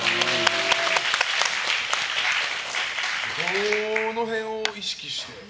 どの辺を意識して。